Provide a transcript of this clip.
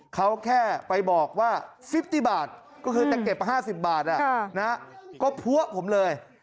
เขาแค่ไปบอกว่า๕๐บาทก็คือแตะเก็บ๕๐บาทนะก็พัวผมเลย